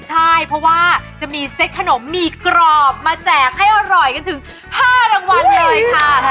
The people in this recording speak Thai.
ใช่เพราะว่าจะมีเซ็กขนมหมี่กรอบมาแจกให้อร่อยกันถึง๕รางวัลเลยค่ะ